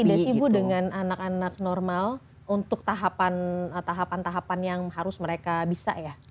beda sih bu dengan anak anak normal untuk tahapan tahapan yang harus mereka bisa ya